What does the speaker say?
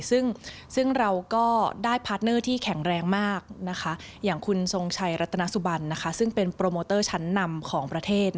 ซึ่งเราก็ได้พาร์ทเนอร์ที่แข็งแรงมากอย่างคุณทรงชัยรัตนสุบันซึ่งเป็นโปรโมเตอร์ชั้นนำของประเทศ